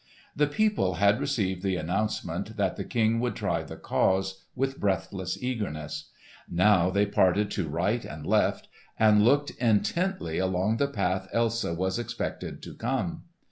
The people had received the announcement, that the King would try the cause, with breathless eagerness. Now they parted to right and left and looked intently along the path Elsa was expected to come.